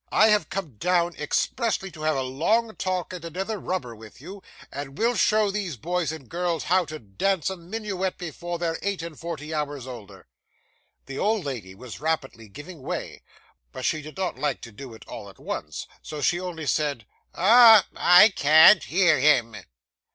I have come down expressly to have a long talk, and another rubber with you; and we'll show these boys and girls how to dance a minuet, before they're eight and forty hours older.' The old lady was rapidly giving way, but she did not like to do it all at once; so she only said, 'Ah! I can't hear him!